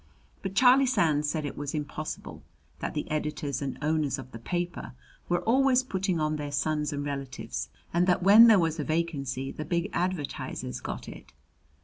But Charlie Sands said it was impossible that the editors and owners of the paper were always putting on their sons and relatives, and that when there was a vacancy the big advertisers got it.